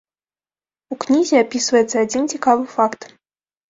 У кнізе апісваецца адзін цікавы факт.